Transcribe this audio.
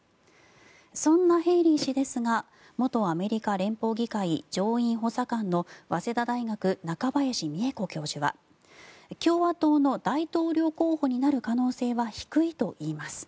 そんなヘイリー氏ですが元アメリカ連邦議会上院補佐官の早稲田大学中林美恵子教授は共和党の大統領候補になる可能性は低いといいます。